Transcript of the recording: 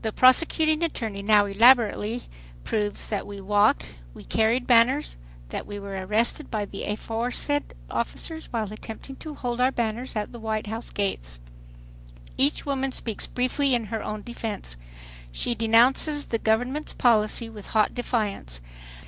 The prosecuting attorney now elaborately proves that we walked, that we carried banners, that we were arrested by the aforesaid officers while attempting to hold our banners at the White House gates. Each woman speaks briefly in her own defense. She denounces the government's policy with hot defiance.